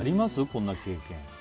こんな経験。